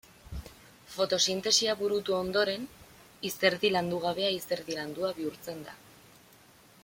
Fotosintesia burutu ondoren, izerdi landugabea izerdi landua bihurtzen da.